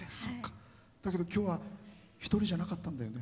だけど今日は一人じゃなかったんだよね。